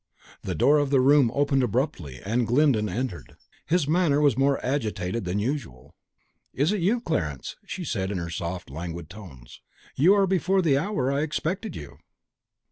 The door of the room opened abruptly, and Glyndon entered. His manner was more agitated than usual. "Is it you, Clarence?" she said in her soft, languid tones. "You are before the hour I expected you."